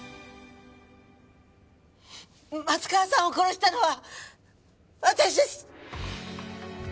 松川さんを殺したのは私です！